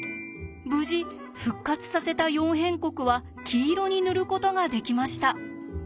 無事復活させた「四辺国」は黄色に塗ることができました。